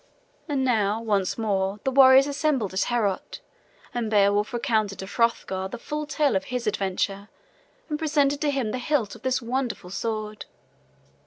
And now once more the warriors assembled in Heorot, and Beowulf recounted to Hrothgar the full tale of his adventure and presented to him the hilt of the wonderful sword.